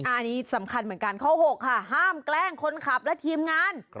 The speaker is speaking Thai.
อันนี้สำคัญเหมือนกันข้อ๖ค่ะห้ามแกล้งคนขับและทีมงาน